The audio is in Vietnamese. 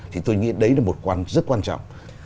thì tôi nghĩ đấy là một quan rất quan trọng